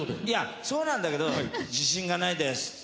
いやそうなんだけど「自信がないです」